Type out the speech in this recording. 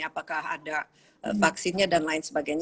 apakah ada vaksinnya dan lain sebagainya